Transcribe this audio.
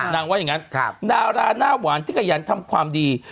ว่าอย่างนั้นดาราหน้าหวานที่ขยันทำความดี